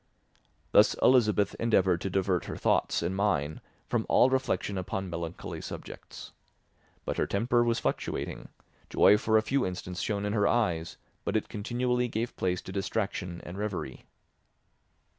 Thus Elizabeth endeavoured to divert her thoughts and mine from all reflection upon melancholy subjects. But her temper was fluctuating; joy for a few instants shone in her eyes, but it continually gave place to distraction and reverie.